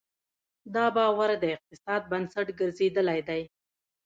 دا باور د اقتصاد بنسټ ګرځېدلی دی.